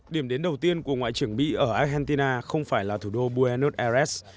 điểm đến đầu tiên của ngoại trưởng mỹ ở argentina không phải là thủ đô buenos aires